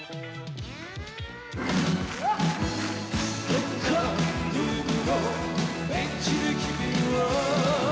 「ロッカールームのベンチで君は」